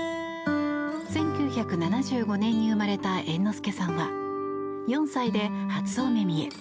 １９７５年に生まれた猿之助さんは４歳で初お目見え。